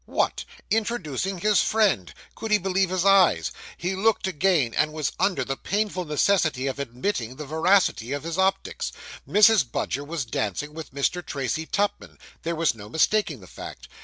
What! introducing his friend! Could he believe his eyes! He looked again, and was under the painful necessity of admitting the veracity of his optics; Mrs. Budger was dancing with Mr. Tracy Tupman; there was no mistaking the fact.